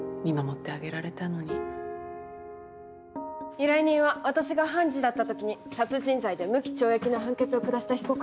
依頼人は私が判事だった時に殺人罪で無期懲役の判決を下した被告人なの。